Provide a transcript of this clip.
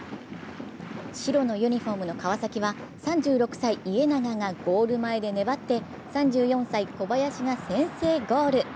白のユニフォームの川崎は３６歳、家長がゴール前で粘って３４歳、小林が先制ゴール。